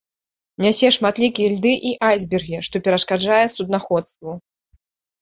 Нясе шматлікія льды і айсбергі, што перашкаджае суднаходству.